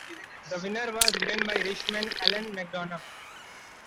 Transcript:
The winner was ridden by Irishman, Alan McDonough.